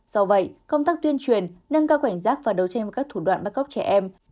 do vậy công tác tuyên truyền nâng cao cảnh giác và đấu tranh với các thủ đoạn bắt cóc trẻ em